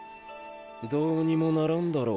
どうにもならんだろ